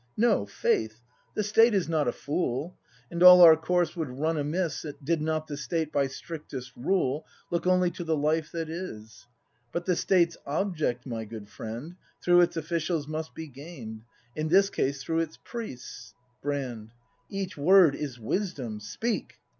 No, faith, the State is not a fool; And all our course would run amiss, Did not the State, by strictest rule. Look only to the life that is. But the State's object, my good friend. Through its officials must be gain'd. In this case through its priests Brand. Each word Is wisdom! Speak!